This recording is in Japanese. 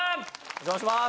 お邪魔します！